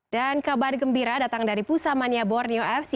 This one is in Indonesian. dan kabar gembira datang dari pusamania borneo fc